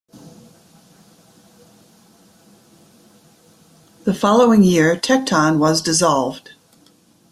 The following year Tecton was dissolved.